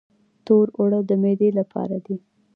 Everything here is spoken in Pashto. تور اوړه د معدې لپاره دي.